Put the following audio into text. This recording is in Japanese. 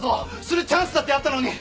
するチャンスだってあったのに！